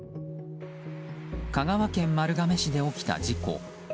香川県丸亀市で起きた事故。